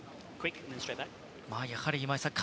やはり今井さん